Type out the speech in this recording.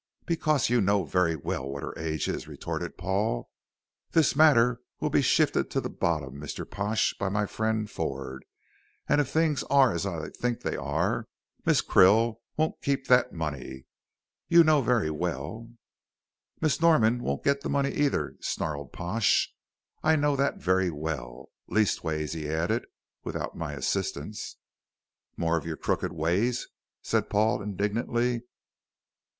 "Because you know very well what her age is," retorted Paul. "This matter will be shifted to the bottom, Mr. Pash, by my friend Ford, and if things are as I think they are, Miss Krill won't keep that money. You know very well " "Miss Norman won't get the money either," snarled Pash, "I know that very well. Leastways," he added, "without my assistance." "More of your crooked ways," said Paul, indignantly.